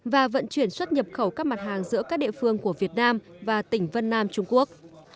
và vận chuyển xuất nhập khẩu các mặt hàng giữa các địa phương của việt nam và tỉnh vân nam trung quốc